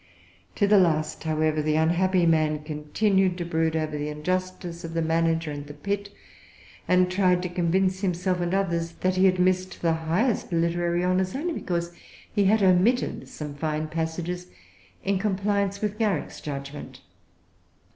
To the last, however, the unhappy man continued to brood over the injustice of the manager and the pit, and tried to convince himself and others that he had missed the highest literary honors, only because he had omitted some fine passages in compliance with[Pg 346] Garrick's judgment.